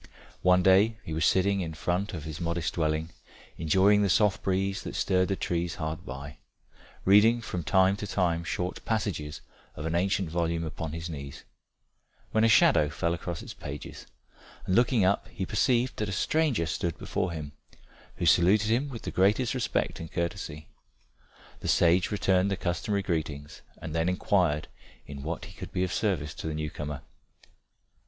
One day he was sitting in front of his modest dwelling, enjoying the soft breeze that stirred the trees hard by, reading from time to time short passages of an ancient volume open upon his knees, when a shadow fell across its pages, and looking up, he perceived that a stranger stood before him, who saluted him with the greatest respect and courtesy. The sage returned the customary greetings, and then inquired in what he could be of service to the new comer.